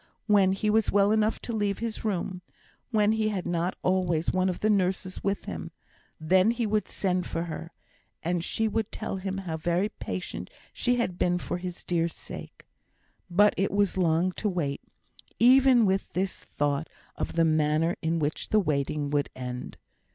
When he was well enough to leave his room, when he had not always one of the nurses with him, then he would send for her, and she would tell him how very patient she had been for his dear sake. But it was long to wait even with this thought of the manner in which the waiting would end.